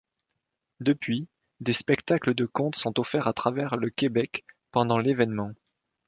Depuis, des spectacles de conte sont offerts à travers le Québec pendant l’événement.